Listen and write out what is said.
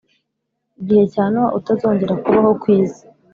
gihe cya Nowa utazongera kubaho ku isi